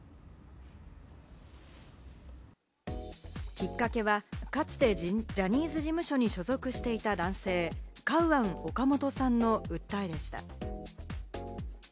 きっかけは、かつてジャニーズ事務所に所属していた男性、カウアン・オカモトさんの訴えでした。